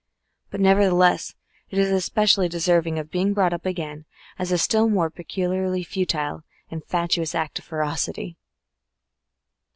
But nevertheless it is especially deserving of being brought up again as a still more peculiarly futile and fatuous act of ferocity.